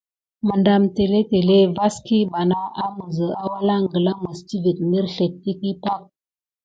Məɗam télétélé vaskiɓana aməzə awalaŋ gla mes tivét mərslét təkəhi pak.